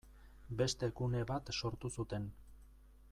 Beste gune bat sortu zuten.